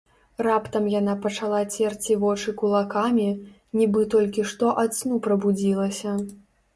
Раптам яна пачала церці вочы кулакамі, нібы толькі што ад сну прабудзілася.